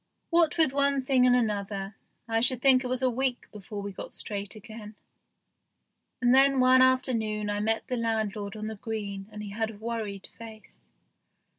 THE GHOST SHIP 5 What with one thing and another, I should think it was a week before we got straight again, and then one afternoon I met the landlord on the green and he had a worried face.